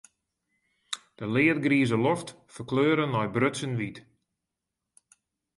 De leadgrize loft ferkleure nei brutsen wyt.